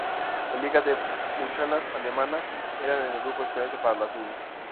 La Liga de Muchachas Alemanas era el grupo equivalente para las niñas.